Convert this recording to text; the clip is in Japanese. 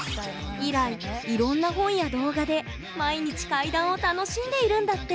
以来いろんな本や動画で毎日怪談を楽しんでいるんだって！